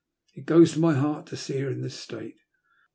It goes to my heart to see her in this state."